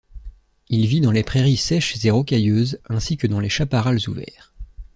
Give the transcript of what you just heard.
Il vit dans les prairies sèches et rocailleuses ainsi que dans les chaparrals ouverts.